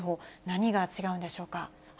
何が違うんでしょうか。